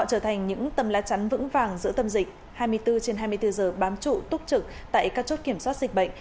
trong lá trắng vững vàng giữa tâm dịch hai mươi bốn trên hai mươi bốn giờ bám trụ túc trực tại các chốt kiểm soát dịch bệnh